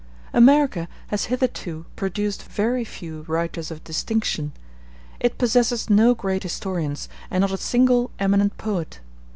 America has hitherto produced very few writers of distinction; it possesses no great historians, and not a single eminent poet.